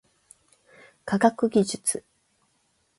科学技術